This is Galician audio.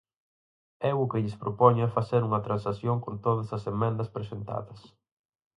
Eu o que lles propoño é facer unha transacción con todas as emendas presentadas.